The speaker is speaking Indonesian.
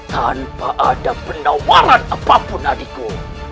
tanpa ada penawaran apapun adikku